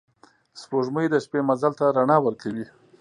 سپوږمۍ د شپې مزل ته رڼا ورکوي